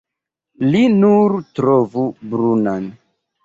Li nur trovu brunan.